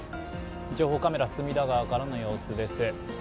情報カメラ、隅田川からの様子です。